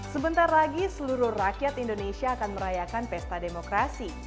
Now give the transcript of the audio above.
sebentar lagi seluruh rakyat indonesia akan merayakan pesta demokrasi